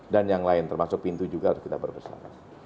dan yang lain termasuk pintu juga harus kita perbaiki